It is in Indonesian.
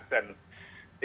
dan itu dulu